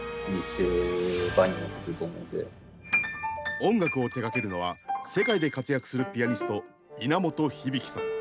音楽を手がけるのは世界で活躍するピアニスト稲本響さん。